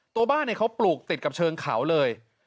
ตัวบ้านเขาปลูกติดกับเชิงเขาเลย